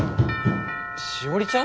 詩織ちゃん？